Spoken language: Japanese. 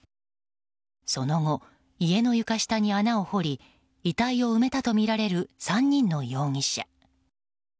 その後、家の床下に穴を掘り遺体を埋めたとみられる３人の容疑者。